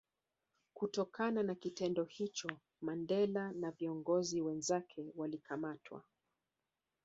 Kutokana na kitendo hicho Mandela na viongozi wenzake walikamatwa